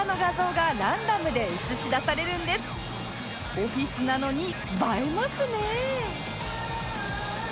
オフィスなのに映えますね